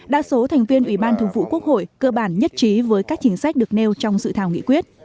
đa số thành viên ubth cơ bản nhất trí với các chính sách được nêu trong dự thảo nghị quyết